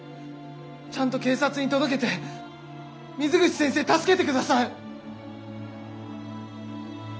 ちゃんと警察に届けて水口先生助けて下さい！